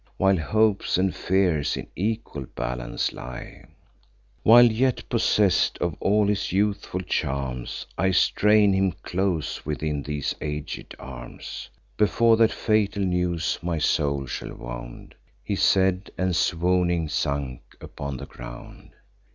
While hopes and fears in equal balance lie; While, yet possess'd of all his youthful charms, I strain him close within these aged arms; Before that fatal news my soul shall wound!" He said, and, swooning, sunk upon the ground.